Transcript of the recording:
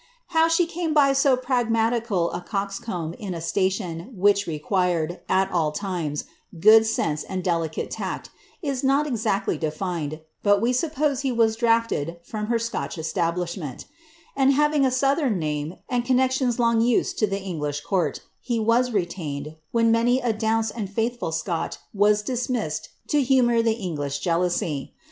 How she came by so pragmatical a coxcomb in a station which required, at all times, good sense and delicate tact, is not exactly defined, but we suppose he was drafted from her Scotch establishment ; and having a southern name, and connexions long used to the English court, he was retained, when many a douce and faithful Scot was dismissed to humour the English jealousy.